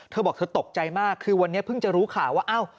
เธอบอกเธอตกใจมากคือวันนี้เพิ่งจะรู้ข่าวว่าอ้าว